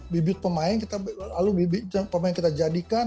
bibit pemain kita jadikan